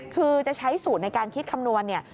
คือจะใช้สูตรในการคิดคำนวณเนี่ย